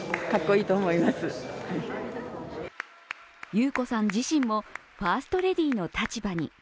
裕子さん自身もファーストレディーの立場に。